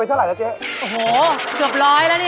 เฮ้ยอย่ามาลวงหรอกที่นี่